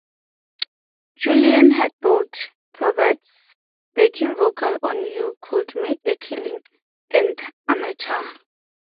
Juliana Hatfield provides backing vocals on "You Could Make a Killing" and "Amateur.